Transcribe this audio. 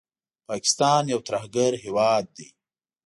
پاکستان یو ترهګر هېواد دی